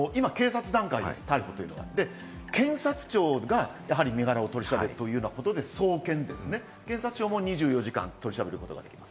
検察庁が身柄を取り調べるというところで送検、２４時間取り調べることができる。